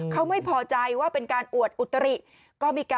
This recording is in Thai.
เขาไม่พอใจว่าเป็นการอวดอุตริ